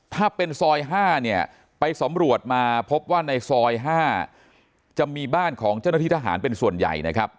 ถ้าเป็นซอย๕เนี่ยไปสำรวจมาพบว่าในซอย๕จะมีบ้านของเจ้าหน้าที่ทหารเป็นส่วนใหญ่นะครับ